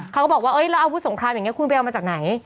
เขาก็บอกว่าแล้วอาวุธสงครามอย่างนี้คุณไปเอามาจากไหน